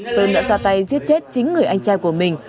sơn đã ra tay giết chết chính người anh trai của mình